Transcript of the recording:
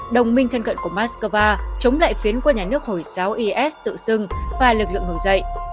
đồng minh thân cận của moscow chống lại phiến của nhà nước hồi giáo is tự dưng và lực lượng ngồi dậy